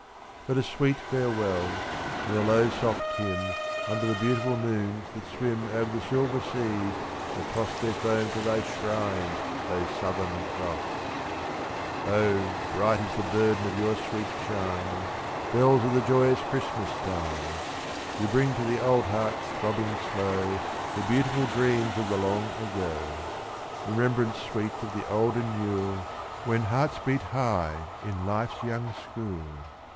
But a sweet farewell, and a low soft hymn Under the beautiful moons that swim Over the silver seas that toss Their foam to thy shrine, O Southern Cross! O, bright is the burden of your sweet chimes, Bells of the joyous Christmas times! You bring to the old hearts throbbing slow The beautiful dreams of the long ago; Remembrance sweet of the olden Yule, When hearts beat high in life's young school.